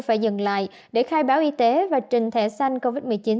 phải dừng lại để khai báo y tế và trình thẻ xanh covid một mươi chín